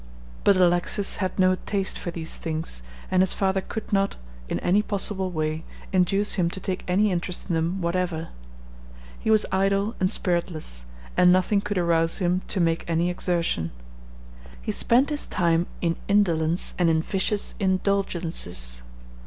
But Alexis had no taste for these things, and his father could not, in any possible way, induce him to take any interest in them whatever. He was idle and spiritless, and nothing could arouse him to make any exertion. He spent his time in indolence and in vicious indulgences.